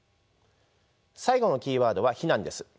最後のキーワードは避難です。